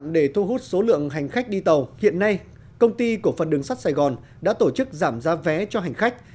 để thu hút số lượng hành khách đi tàu hiện nay công ty cổ phần đường sắt sài gòn đã tổ chức giảm giá vé cho hành khách